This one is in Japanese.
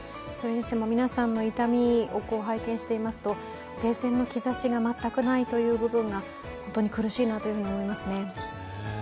それにしても皆さんの痛みを拝見していますと、停戦の兆しが全くないという部分が本当に苦しいなと思いますね。